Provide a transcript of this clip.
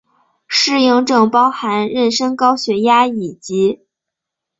适应症包含妊娠高血压以及。